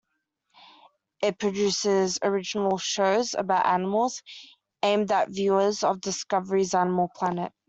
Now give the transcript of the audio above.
It produces original shows about animals, aimed at viewers of Discovery's Animal Planet.